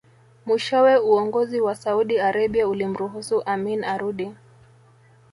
Mwishowe uongozi wa Saudi Arabia ulimruhusu Amin arudi